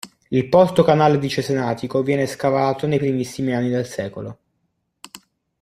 Il porto-canale di Cesenatico viene scavato nei primissimi anni del sec.